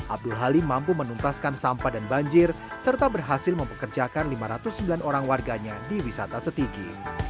abdul halim mampu menuntaskan sampah dan banjir serta berhasil mempekerjakan lima ratus sembilan orang warganya di wisata setigi